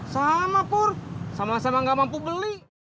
sama pur sama sama gak mampu beli